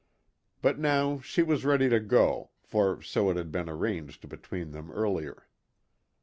But now she was ready to go, for so it had been arranged between them earlier.